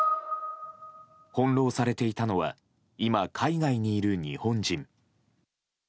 翻弄されていたのは今、海外にいる日本人。